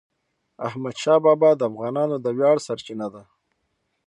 احمدشاه بابا د افغانانو د ویاړ سرچینه ده.